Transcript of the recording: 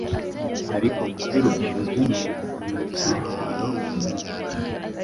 Ariko guperuka-umujinya nikimwaro ingabo